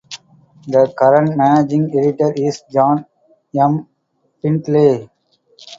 The current managing editor is John M. Findlay.